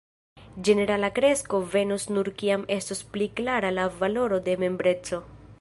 ”Ĝenerala kresko venos nur kiam estos pli klara la valoro de membreco”.